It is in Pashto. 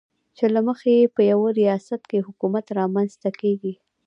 چې له مخې یې په یوه ریاست کې حکومت رامنځته کېږي.